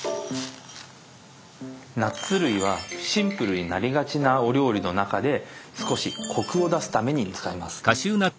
ナッツ類はシンプルになりがちなお料理の中で少しコクを出すために使います。